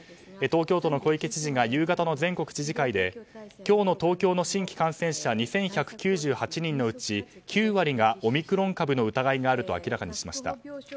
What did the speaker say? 東京都の小池知事が夕方の全国知事会で今日の東京の新規感染者２１９８人のうち９割がオミクロン株の疑いがあると明らかにしました。